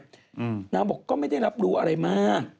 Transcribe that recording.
นางก็บอกว่าไม่ได้รับรู้อะไรมา